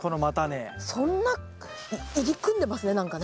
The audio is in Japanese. そんな入り組んでますね何かね。